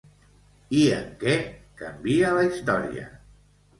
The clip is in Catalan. I en què canvia la història?